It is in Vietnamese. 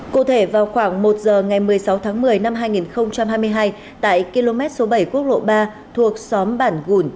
cụ thể vào khoảng một giờ ngày một mươi sáu tháng một mươi năm hai nghìn hai mươi hai tại km số bảy quốc lộ ba thuộc xóm bản gùn